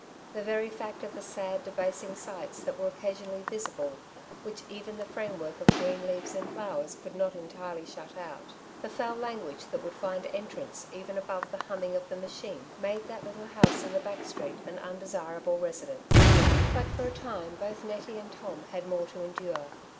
The very fact of the sad debasing sights that were occasion ally visible, which even the framework of green leaves and flowers could not entirely shut out, the foul language that would find entrance even above the humming of the machine, made that little house in the back street an undesirable residence ; but for a time both Nettie and Tom had more to endure.